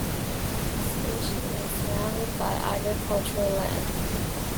The station is surrounded by agricultural land.